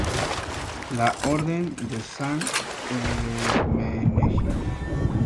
La Orden de San Hermenegildo.